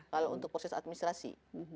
kalau untuk proses administrasi